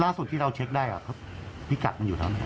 ล่าส่วนที่เราเช็คได้เขาพิกัดมันอยู่แล้วไหม